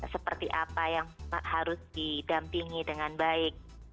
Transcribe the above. seperti apa yang harus didampingi dengan baik